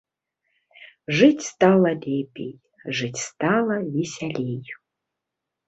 Жыць стала лепей, жыць стала весялей!